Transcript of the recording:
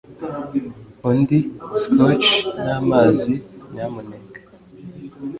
Undi Scotch namazi, nyamuneka.